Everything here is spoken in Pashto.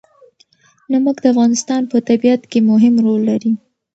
نمک د افغانستان په طبیعت کې مهم رول لري.